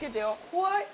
怖い。